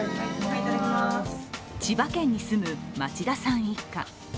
千葉県に住む町田さん一家。